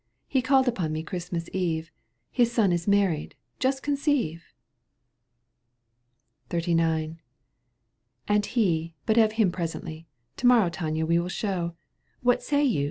He called upon me Christmas Eve — His son is married, just conceive !" XXXIX. " And he — ^but of him presently — To morrow Tania we will, show, What say you